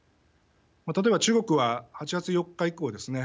例えば中国は８月４日以降ですね